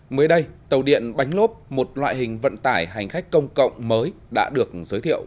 mới đây tàu điện bánh lốp một loại hình vận tải hành khách công cộng mới đã được giới thiệu